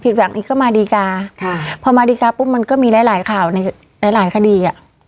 หวังอีกก็มาดีกาค่ะพอมาดีกาปุ๊บมันก็มีหลายหลายข่าวในหลายหลายคดีอ่ะ